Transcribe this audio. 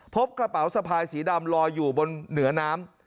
พบกระเป๋าสะพายสีดำลอยอยู่บนเหนือน้ำ